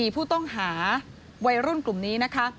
ผู้ต้องหาวัยรุ่นกลุ่มนี้นะคะ